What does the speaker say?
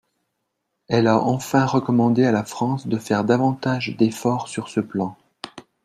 Elle a enfin recommandé à la France de faire davantage d’efforts sur ce plan.